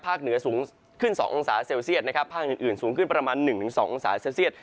เหนือสูงขึ้น๒องศาเซลเซียตนะครับภาคอื่นสูงขึ้นประมาณ๑๒องศาเซลเซียต